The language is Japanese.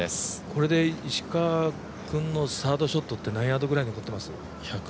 これで石川君のサードショットって何ヤードぐらい残ってます？